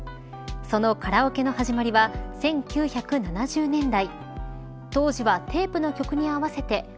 そのカラオケの始まりは１９７０年代。